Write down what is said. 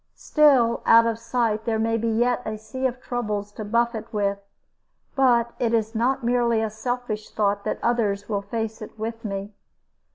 Still out of sight there may be yet a sea of troubles to buffet with; but it is not merely a selfish thought that others will face it with me.